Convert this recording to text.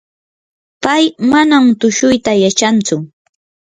pay manam tushuyta yachantsu.